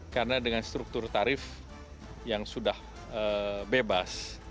karena dengan struktur tarif yang sudah bebas